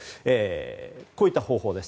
こういった方法です。